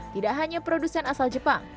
tidak hanya produsen asal jepang